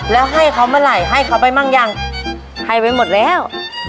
แล้วให้เขาเมื่อไหร่ให้เขาไปมั่งยังให้ไว้หมดแล้ว